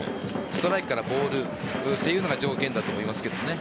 ストライクからボールというのが条件だと思いますけどね。